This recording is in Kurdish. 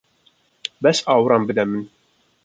Bes awiran bide min.